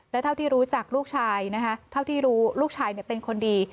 และเท่าที่รู้จักลูกชายนะคะเท่าที่รู้ลูกชายเป็นคนดี